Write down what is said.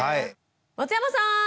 松山さん！